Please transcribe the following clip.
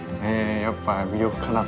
やっぱ魅力かなと。